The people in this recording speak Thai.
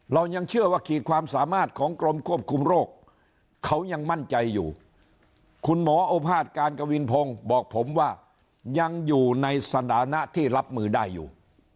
เรายังเชื่อว่าขีดความสามารถของกรมควบคุมโรคเขายังมั่นใจอยู่คุณหมอโอภาษการกวินพงศ์บอกผมว่ายังอยู่ในสถานะที่รับมือได้อยู่